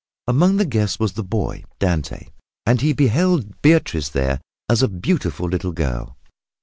Among the guests was the boy, Dante, and he beheld Beatrice there as a beautiful little girl.